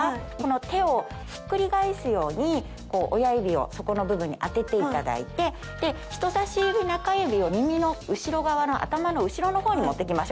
手をひっくり返すように親指をそこの部分に当てていただいて人さし指中指を耳の後ろ側の頭の後ろのほうに持って行きましょう。